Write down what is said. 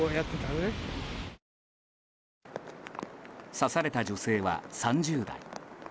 刺された女性は３０代。